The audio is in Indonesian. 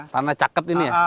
tanah ceket ini ya